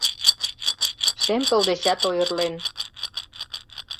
Шем пыл дечат ойырлен.